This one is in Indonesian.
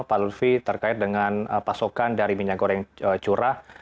pak lutfi terkait dengan pasokan dari minyak goreng curah